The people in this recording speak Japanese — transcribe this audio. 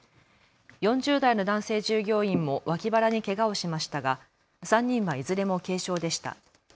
４０代の男性従業員も脇腹にけがをしましたが３人はいずれも軽傷でした。